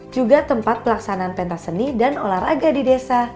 juga tempat pelaksanaan pentas seni dan olahraga di desa